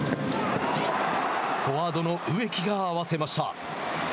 フォワードの植木が合わせました。